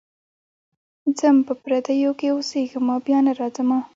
ځم په پردیو کي اوسېږمه بیا نه راځمه.